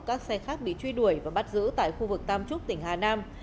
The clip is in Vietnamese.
các xe khác bị truy đuổi và bắt giữ tại khu vực tam trúc tỉnh hà nam